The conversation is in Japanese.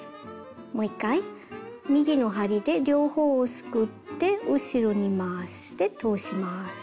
もう一回右の針で両方をすくって後ろに回して通します。